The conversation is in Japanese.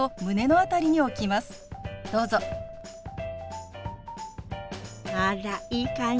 あらいい感じ！